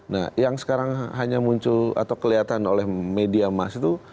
nah yang sekarang hanya muncul atau kelihatan oleh media mas itu